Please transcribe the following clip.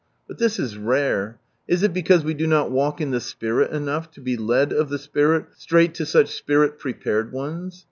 But this is rare. Is it because walk in the Spirit " enough, to be " led of the Spirit " straight to such prepared ones?